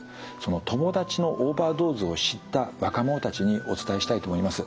友達のオーバードーズを知った若者たちにお伝えしたいと思います。